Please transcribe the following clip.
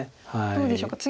どうでしょうか。